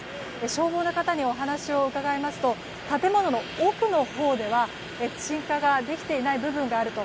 消防の方にお話を伺いますと建物の奥のほうでは鎮火ができていない部分があると。